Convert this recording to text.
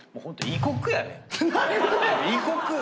異国！